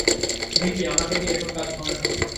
ভিকি, আমাকে দিয়ে এসব কাজ হবে না।